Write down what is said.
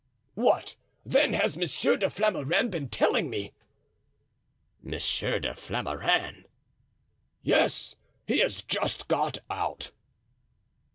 "What, then, has Monsieur de Flamarens been telling me?" "Monsieur de Flamarens?" "Yes, he has just gone out."